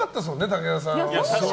武田さん。